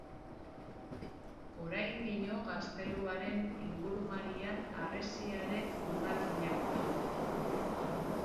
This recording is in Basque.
Oraindino gazteluaren ingurumarian harresiaren hondakinak daude.